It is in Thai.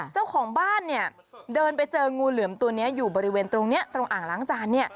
เจ้าของบ้านเดินไปเจองูเหลือมตัวนี้อยู่บริเวณตรงนี้ตรงอ่างล้างจาน